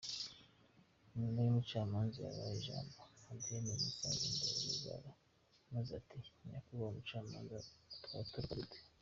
Nyuma umucamanza yahaye ijambo Adeline Mukangemanyi Rwigara maze ati : “Nyakubahwa mucamanza, twatoroka dute ?